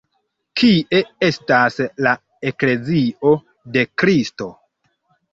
Kie estas la Eklezio de Kristo?.